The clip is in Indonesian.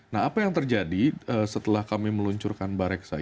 nah apa yang terjadi setelah kami meluncurkan mbak reksa